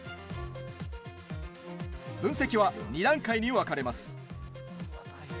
分析は２段階に分かれます。